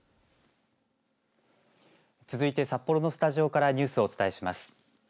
続いて札幌のスタジオからニュースをお伝えします。